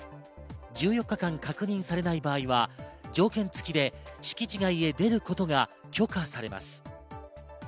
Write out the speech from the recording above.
１４日間確認されない場合は条件つきで敷地内へ出ることが許可されます。